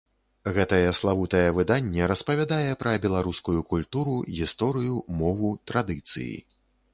Гэтае славутае выданне распавядае пра беларускую культуру, гісторыю, мову, традыцыі.